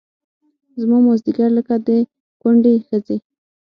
زما مازدیګر لکه د کونډې ښځې